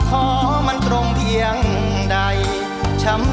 ช่วยฝังดินหรือกว่า